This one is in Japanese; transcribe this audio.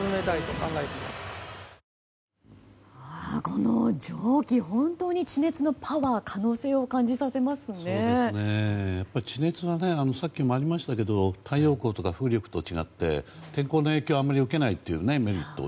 この蒸気本当に地熱のパワー、可能性をやっぱり、地熱はねさっきにもありましたけど太陽光とか風力と違って天候の影響をあまり受けないというメリット。